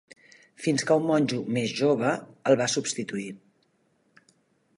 Fins que un monjo més jove el va substituir.